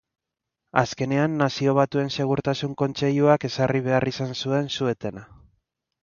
Azkenean Nazio Batuen Segurtasun Kontseiluak ezarri behar izan zuen su-etena.